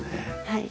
はい。